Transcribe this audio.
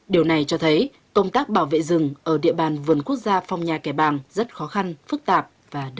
điều này cho thấy công tác bảo vệ rừng ở địa bàn vườn quốc gia phòng nhà kẻ bàng rất khó khăn phức tạp và đầy hiểm nguy